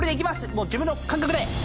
もう自分の感覚で。